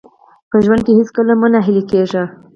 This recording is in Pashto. په ژوند کې هېڅکله مه ناهیلي کېږئ.